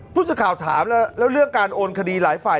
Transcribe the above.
ผู้สื่อข่าวถามแล้วเรื่องการโอนคดีหลายฝ่าย